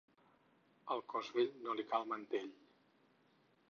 Al cos bell no li cal mantell.